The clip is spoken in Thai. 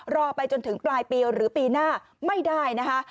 รอไปจนถึงปลายปีหรือปีหน้าไม่ได้นะคะ